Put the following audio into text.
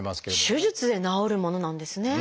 手術で治るものなんですね。